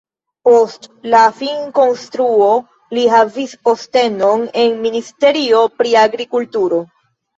Post la finkonstruo li havis postenon en ministerio pri agrikulturo.